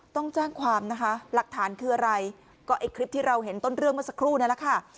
ต้องแจ้งความนะคะหลักฐานคืออะไรก็ไอ้คลิปที่เราเห็นต้นเรื่องเมื่อสักครู่นี่แหละค่ะ